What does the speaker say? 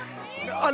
あ！